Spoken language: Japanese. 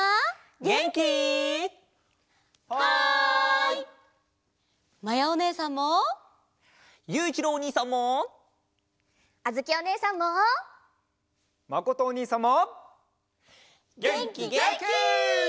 げんきげんき！